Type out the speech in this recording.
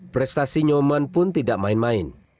prestasi nyoman pun tidak main main